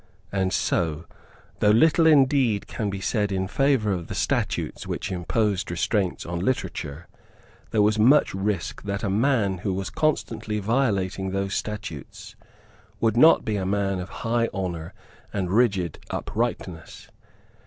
And so, though little indeed can be said in favour of the statutes which imposed restraints on literature, there was much risk that a man who was constantly violating those statutes would not be a man of high honour and rigid uprightness.